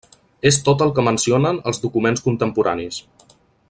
És tot el que mencionen els documents contemporanis.